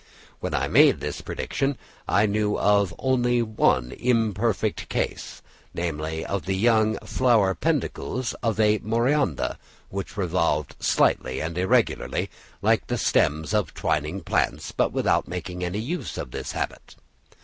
When I made this prediction, I knew of only one imperfect case, namely, of the young flower peduncles of a Maurandia which revolved slightly and irregularly, like the stems of twining plants, but without making any use of this habit.